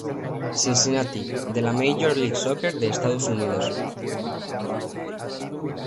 Cincinnati, de la Major League Soccer de Estados Unidos.